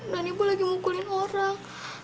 ibu lagi mukulin orang